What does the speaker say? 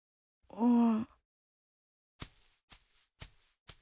うん？